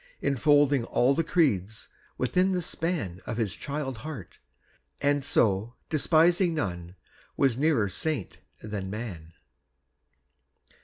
Enfolding all the creeds within the span Of his child heart; and so, despising none, Was nearer saint than man.